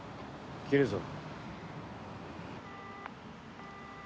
切るぞ。